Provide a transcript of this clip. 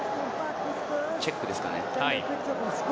チェックですかね。